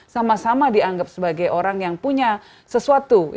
sama sama dianggap sebagai orang yang punya sesuatu